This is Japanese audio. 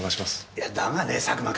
いやだがね佐久間君。